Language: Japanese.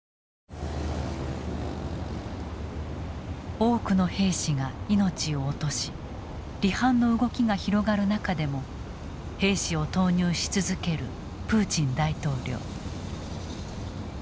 多くの兵士が命を落とし離反の動きが広がる中でも兵士を投入し続けるプーチン大統領。